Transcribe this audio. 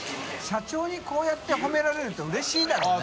卍垢こうやって褒められるとうれしいだろうね。